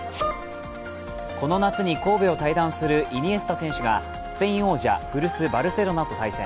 この夏に神戸を退団するイニエスタ選手がスペイン王者、古巣バルセロナと対戦。